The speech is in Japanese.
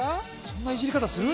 そんなイジり方する？